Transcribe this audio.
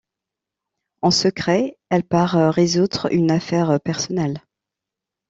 En secret, elle part résoudre une affaire personnelle.